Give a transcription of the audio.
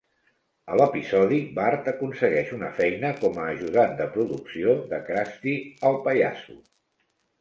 A l'episodi, Bart aconsegueix una feina com a ajudant de producció de Krusty el Pallasso.